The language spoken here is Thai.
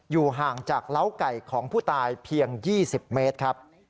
ห่างจากเล้าไก่ของผู้ตายเพียง๒๐เมตรครับ